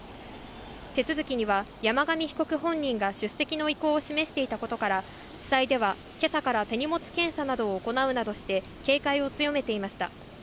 手続きには山上被告本人が出席の意向を示していたことから、地裁では、けさから手荷物検査などを行うなどして、警戒を強めていました。